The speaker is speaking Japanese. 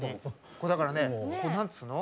これだからねこれ何て言うの？